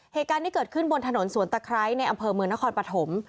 เหตุการณ์ที่เกิดขึ้นบนถนนสวนตะไคร้ในอำเภอเมืองนครปฐม